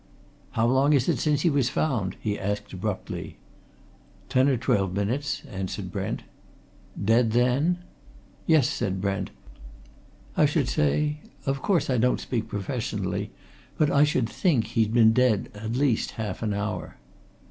"How long is it since he was found?" he asked abruptly. "Ten or twelve minutes," answered Brent. "Dead then?" "Yes," said Brent. "I should say of course, I don't speak professionally but I should think he'd been dead at least half an hour."